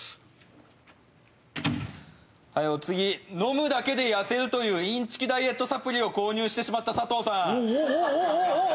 次、飲むだけで痩せるというインチキダイエットサプリを購入してしまった佐藤さん。